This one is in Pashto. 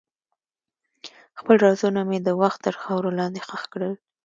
خپل رازونه مې د وخت تر خاورو لاندې ښخ کړل.